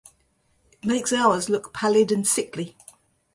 It makes ours look pallid and sickly.